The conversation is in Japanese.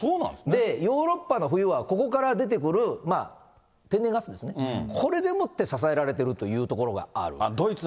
ヨーロッパの冬はここから出てくる天然ガスですね、これでもって支えられているというところがある。